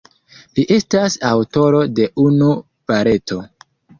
Li estas aŭtoro de unu baleto.